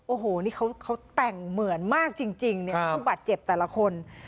โอ้โหนี่เขาแต่งเหมือนมากจริงเนี่ยผู้บาดเจ็บแต่ละคน